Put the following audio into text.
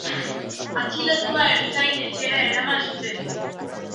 Atxilotua ertzain-etxera eraman zuten.